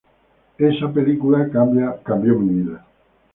Esa película cambió mi vida".